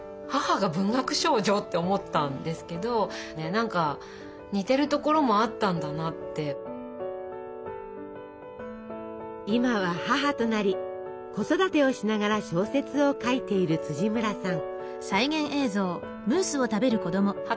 それを見てびっくりして今は母となり子育てをしながら小説を書いている村さん。